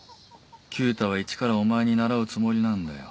九太はイチからお前に習うつもりなんだよ。